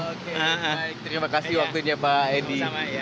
oke baik terima kasih waktunya pak edi